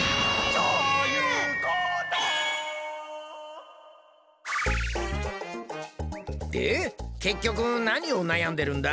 しょーゆーこと！でけっきょくなにをなやんでるんだ？